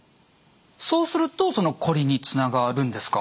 そうするとこりにつながるんですか？